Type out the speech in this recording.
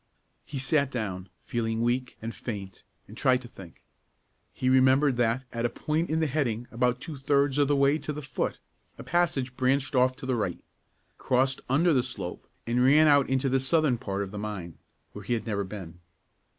He sat down, feeling weak and faint, and tried to think. He remembered that, at a point in the heading about two thirds of the way to the foot, a passage branched off to the right, crossed under the slope, and ran out into the southern part of the mine, where he had never been.